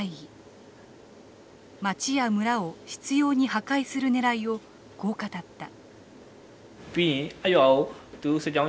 町や村を執拗に破壊するねらいをこう語った。